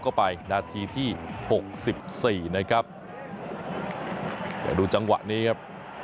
ก็ดูจังหวะนี้ครับ